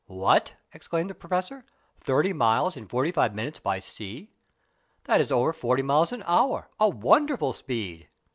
"What!" exclaimed the Professor, "thirty miles in forty five minutes by sea! That is over forty miles an hour. A wonderful speed."